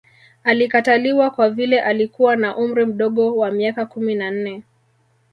Alikataliwa kwa vile alikuwa na umri mdogo wa miaka kumi na nne